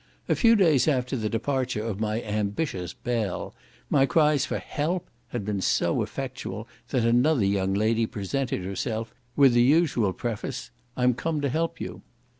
A few days after the departure of my ambitious belle, my cries for "Help" had been so effectual that another young lady presented herself, with the usual preface "I'm come to help you."